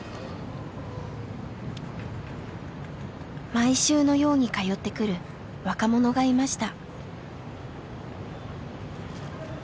毎週のように通ってくる若者がいました。